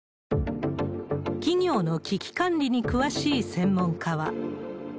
企業の危機管理に詳しい専門家は。